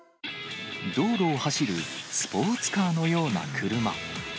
道路を走るスポーツカーのようなクルマ。